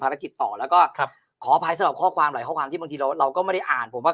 ต่อแล้วก็ครับขออภัยสำหรับข้อความหลายข้อความที่บางทีเราเราก็ไม่ได้อ่านผมว่า